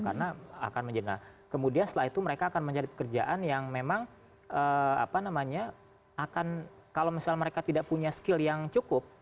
karena akan menjadi nah kemudian setelah itu mereka akan menjadi pekerjaan yang memang apa namanya akan kalau misalnya mereka tidak punya skill yang cukup